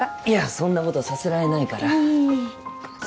いやそんなことさせられないから。